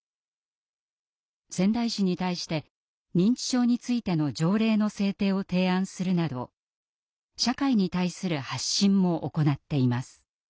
仙台市に対して認知症についての条例の制定を提案するなど社会に対する発信も行っています。